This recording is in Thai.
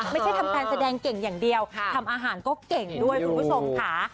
ไม่ใช่ทำการแสดงเก่งอย่างเดียวทำอาหารก็เก่งด้วยคุณผู้ชมค่ะ